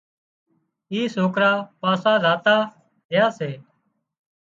اين سوڪرا پاسا زاتا ريا سي